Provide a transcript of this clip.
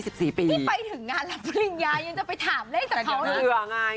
แต่อย่างนั้นใครอย่างอื่นบ้าง